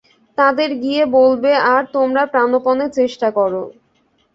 তাঁদের গিয়ে বলবে আর তোমরা প্রাণপণে চেষ্টা কর।